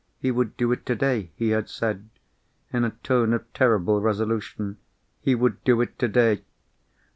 He would do it today. He had said, in a tone of terrible resolution, he would do it today.